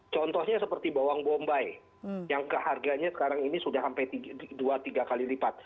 contohnya seperti bawang bombay yang harganya sekarang ini sudah sampai dua tiga kali lipat